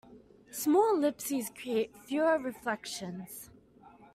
Smaller ellipses create fewer reflections.